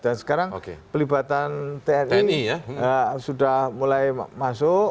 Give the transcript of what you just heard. dan sekarang pelibatan tni sudah mulai masuk